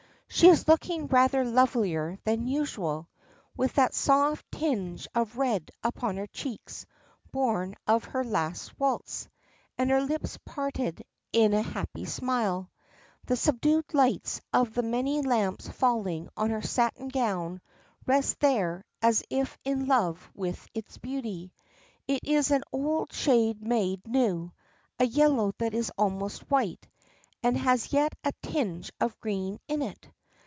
She is looking rather lovelier than usual, with that soft tinge of red upon her cheeks born of her last waltz, and her lips parted in a happy smile. The subdued lights of the many lamps falling on her satin gown rest there as if in love with its beauty. It is an old shade made new, a yellow that is almost white, and has yet a tinge of green in it.